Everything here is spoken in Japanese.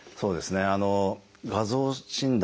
画像診断